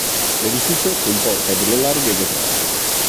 L'edificio comporta delle larghe vetrate.